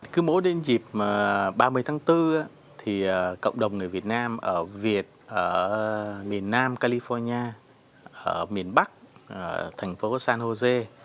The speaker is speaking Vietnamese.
cứ mỗi đến dịp ba mươi tháng bốn thì cộng đồng người việt nam ở việt ở miền nam california ở miền bắc thành phố san jose